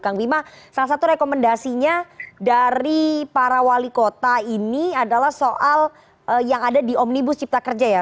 kang bima salah satu rekomendasinya dari para wali kota ini adalah soal yang ada di omnibus cipta kerja ya